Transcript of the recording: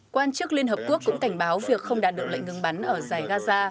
quán chức liên hợp quốc cũng cảnh báo việc không đạt được lệnh ngừng bắn ở dài gaza